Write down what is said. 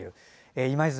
今泉